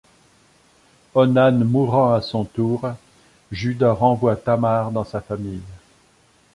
Onan mourant à son tour, Juda renvoie Tamar dans sa famille.